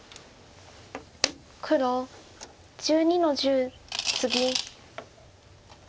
黒１２の十ツギ。